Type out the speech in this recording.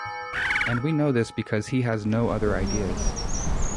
And we know this because he has no other ideas.